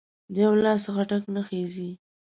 د یو لاس څخه ټک نه خیژي